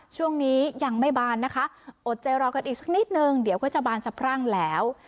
ช่วงนี้ยังไม่บานนะคะอดใจรอกันอีกสักนิดนึงเดี๋ยวก็จะบานสะพรั่งแล้ว